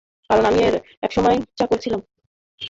কারণ, আমিও একসময় চাকর ছিলাম।